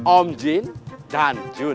om jin dan jun